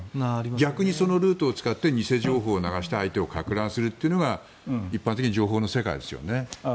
逆にそのルートを使って偽情報を流して相手をかく乱するというのが一般的に情報の世界ですよね。